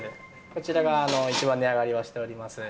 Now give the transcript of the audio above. こちらが一番値上がりをしております。